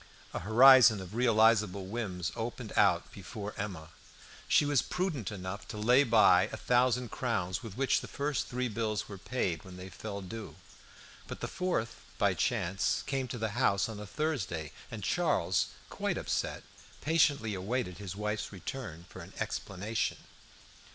A horizon of realisable whims opened out before Emma. She was prudent enough to lay by a thousand crowns, with which the first three bills were paid when they fell due; but the fourth, by chance, came to the house on a Thursday, and Charles, quite upset, patiently awaited his wife's return for an explanation.